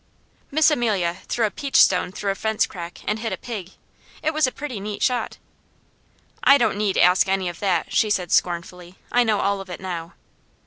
Miss Amelia threw a peach stone through a fence crack and hit a pig. It was a pretty neat shot. "I don't need ask any of that," she said scornfully. "I know all of it now."